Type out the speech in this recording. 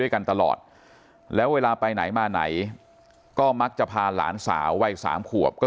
กันตลอดแล้วเวลาไปไหนมาไหนก็มักจะพาหลานสาววัยสามขวบก็